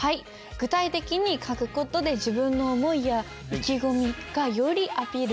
具体的に書く事で自分の思いや意気込みがよりアピールできるようになります。